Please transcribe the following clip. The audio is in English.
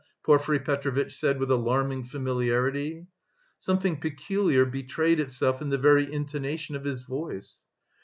Porfiry Petrovitch said with alarming familiarity. Something peculiar betrayed itself in the very intonation of his voice.